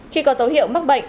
khi có dấu hiệu mắc bệnh